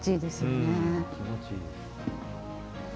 うん気持ちいい。